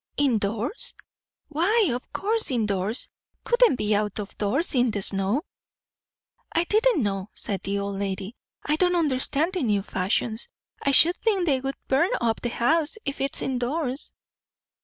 "In doors?" "Why, of course in doors. Couldn't be out of doors, in the snow." "I didn't know," said the old lady; "I don't understand the new fashions. I should think they would burn up the house, if it's in doors."